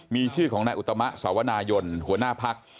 มีชื่อของนายอุตมะสาวนายนหัวหน้าพัก